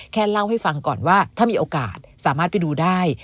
เล่าให้ฟังก่อนว่าถ้ามีโอกาสสามารถไปดูได้